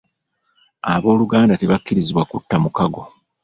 Ab'oluganda tebakkirizibwa kutta mukago.